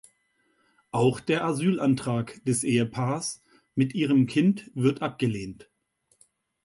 Auch der Asylantrag des Ehepaars mit ihrem Kind wird abgelehnt.